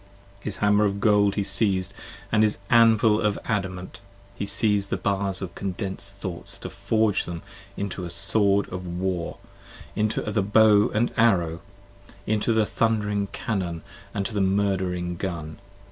His hammer of gold he siez'd; and his anvil of adamant; He siez'd the bars of condens'd thoughts, to forge them, 5 Into the sword of war, into the bow and arrow; Into the thundering cannon and into the murdering gun.